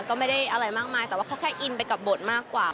ก็ไม่ได้อะไรมากมายแต่ว่าเขาแค่อินไปกับบทมากกว่า